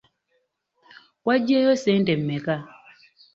Wagyeyo ssente mmeka?